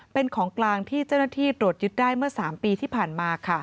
เป็นของกลางที่เจ้าหน้าที่ตรวจยึดได้เมื่อ๓ปีที่ผ่านมา